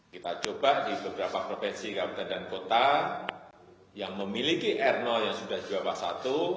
kita coba di beberapa provinsi kabupaten dan kota yang memiliki r yang sudah di bawah satu